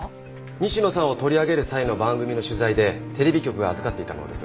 西野さんを取り上げる際の番組の取材でテレビ局が預かっていたものです。